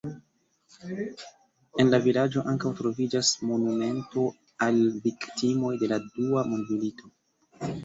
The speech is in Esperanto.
En la vilaĝo ankaŭ troviĝas monumento al viktimoj de la dua mondmilito.